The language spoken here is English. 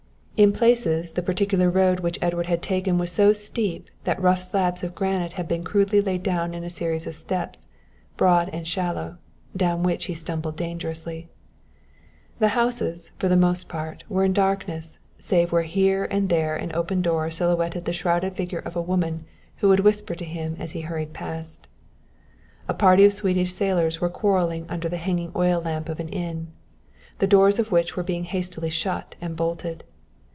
In places, the particular road which Edward had taken was so steep that rough slabs of granite had been crudely laid down in a series of steps, broad and shallow, down which he stumbled dangerously. The houses, for the most part, were in darkness, save where here and there an open door silhouetted the shrouded figure of a woman who would whisper to him as he hurried past. A party of Swedish sailors were quarrelling under the hanging oil lamp of an inn, the doors of which were being hastily shut and bolted.